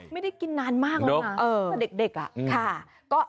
ไม่ได้กินนานมากแล้วนะแต่เด็กอะ